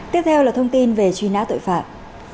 tiếp theo là thông tin về truy nã tội phạm